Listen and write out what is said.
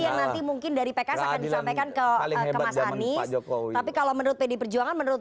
yang nanti mungkin dari pks akan disampaikan ke mas anies tapi kalau menurut pd perjuangan menurut